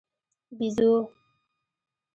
🐒بېزو